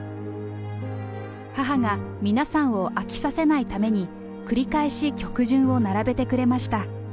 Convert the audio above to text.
母が皆さんを飽きさせないために、繰り返し、曲順を並べてくれました。